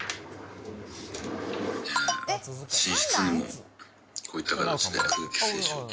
寝室にもこういった形で空気清浄機。